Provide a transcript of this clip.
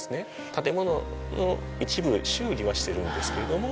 建物の一部修理はしているんですけれども